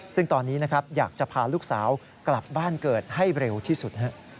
ซึ่งตอนนี้นะครับอยากจะพาลูกสาวกลับบ้านเกิดให้เร็วที่สุด